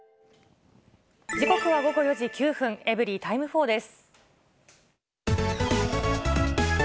時刻は午後４時９分、エブリィタイム４です。